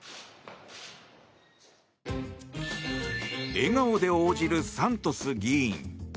笑顔で応じるサントス議員。